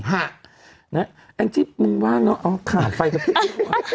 แหลงจิ๊บมึงว่างเนอะเอาขาดไฟกะพิบ